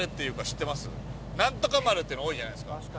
何とか丸っての多いじゃないですか。